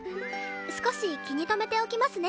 少し気に留めておきますね。